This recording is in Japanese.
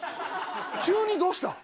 急にどうした？